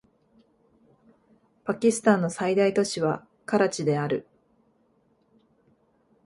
パキスタンの最大都市はカラチである